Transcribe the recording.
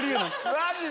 マジで？